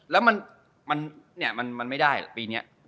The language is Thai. แล้วมันเนี่ยมันไม่ได้ปีเนี้ย